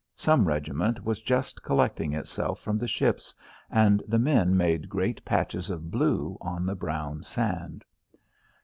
Some regiment was just collecting itself from the ships, and the men made great patches of blue on the brown sand.